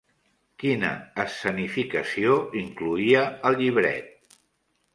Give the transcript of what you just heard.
Quina escenificació incloïa el llibret?